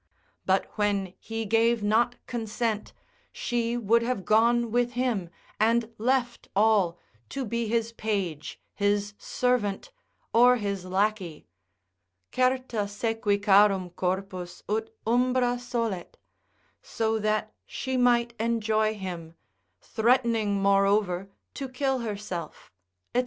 But when he gave not consent, she would have gone with him, and left all, to be his page, his servant, or his lackey, Certa sequi charum corpus ut umbra solet, so that she might enjoy him, threatening moreover to kill herself, &c.